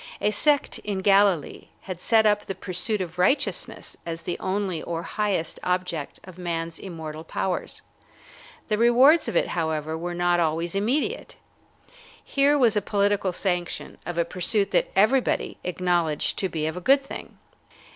A sect in Galilee had set up the pursuit of righteousness as the only or the highest object of man's immortal powers. The rewards of it, however, were not always immediate. Here was a political sanction of a pursuit that everybody acknowledged to be of a good thing.